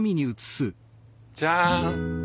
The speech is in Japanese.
じゃん。